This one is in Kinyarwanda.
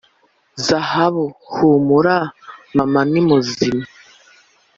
zahabu humura mama nimuzima: